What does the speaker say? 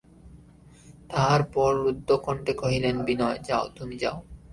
তাহার পরে রুদ্ধকণ্ঠে কহিলেন, বিনয়, যাও, তুমি যাও!